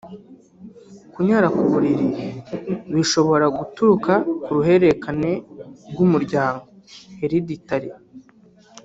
Kunyara ku buriri bishobora guturuka ku ruhererekane ry’umuryango (hereditaire)